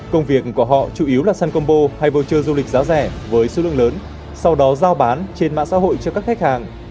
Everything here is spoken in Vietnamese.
công việc của họ chủ yếu là san combo hay voucher du lịch giá rẻ với số lượng lớn sau đó giao bán trên mạng xã hội cho các khách hàng